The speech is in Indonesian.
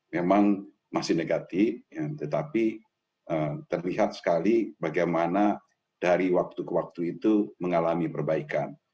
memang masih negatif tetapi terlihat sekali bagaimana dari waktu ke waktu itu mengalami perbaikan